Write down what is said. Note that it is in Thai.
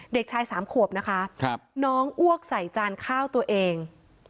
เด็กชายสามขวบนะคะน้องอ้วกใส่จานข้าวตัวเอง